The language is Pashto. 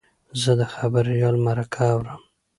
زه د خبریال مرکه اورم.